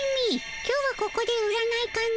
今日はここで占いかの？